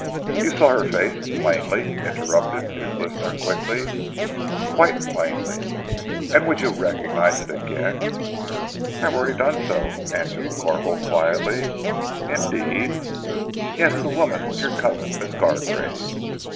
"You saw her face plainly?" interrupted his listener quickly. "Quite plainly." "And would you recognize it again?" "I have already done so," answered the corporal quietly. "Indeed?" "Yes, the woman was your cousin, Miss Gargrave."